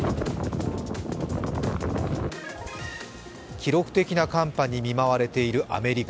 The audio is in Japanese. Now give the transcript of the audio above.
記録的な寒波に見舞われているアメリカ。